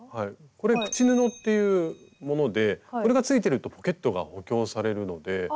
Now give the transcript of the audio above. これ「口布」っていうものでこれがついてるとポケットが補強されるので。